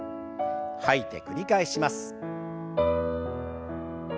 吐いて繰り返します。